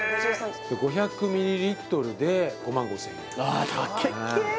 ５００ミリリットルで５５０００円あっ高え！